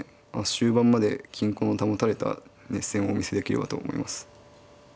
終盤まで均衡の保たれた熱戦をお見せできればと思います。